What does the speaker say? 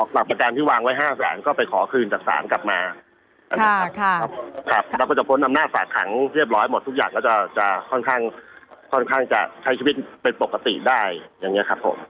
หลักประกันที่วางไว้๕แสนก็ไปขอคืนจากศาลกลับมาแล้วก็จะพ้นอำนาจฝากขังเรียบร้อยหมดทุกอย่างก็จะค่อนข้างจะใช้ชีวิตเป็นปกติได้อย่างนี้ครับผม